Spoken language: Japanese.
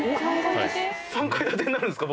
３階建てになるんですか？